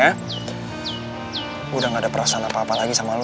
aku sudah enggak ada perasaan apa apa lagi sama lo